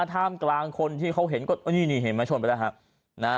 ท่ามกลางคนที่เขาเห็นก็นี่นี่เห็นไหมชนไปแล้วฮะนะฮะ